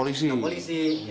dibawa ke polisi